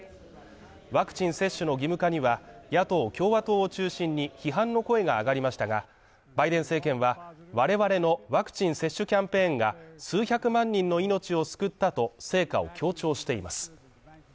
ワクチン接種の義務化には野党・共和党を中心に批判の声が上がりましたが、バイデン政権は、我々のワクチン接種キャンペーンが数百万人の命を救ったと成果を強調しています。